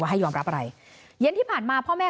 คุยกับตำรวจเนี่ยคุยกับตำรวจเนี่ย